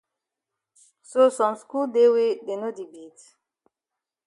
So some skul dey wey dey no di beat?